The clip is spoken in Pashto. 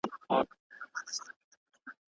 باطل په مابينځ کي توره تیاره ده.